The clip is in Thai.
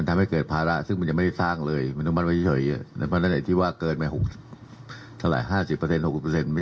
แต่ประชาชนก็ปวดหัว